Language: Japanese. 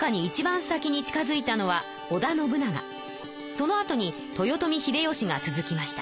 そのあとに豊臣秀吉が続きました。